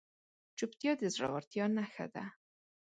چوپتیا، د زړورتیا نښه ده.